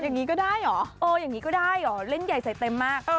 อย่างนี้ก็ได้เหรอเอออย่างนี้ก็ได้เหรอเล่นใหญ่ใส่เต็มมาก